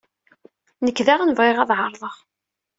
Nekk daɣen bɣiɣ ad ɛerḍeɣ.